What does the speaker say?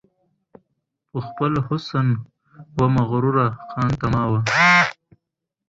په خپل حسن وه مغروره خانتما وه